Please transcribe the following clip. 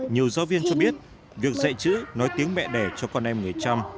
nhiều giáo viên cho biết việc dạy chữ nói tiếng mẹ đẻ cho con em người chăm